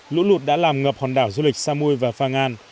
lũ lụt đã làm ngập hòn đảo du lịch samui và phang an